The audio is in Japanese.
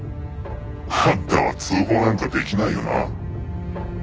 「あんたは通報なんかできないよな」